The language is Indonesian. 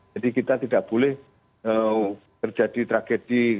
jadi kita tidak boleh terjadi tragedi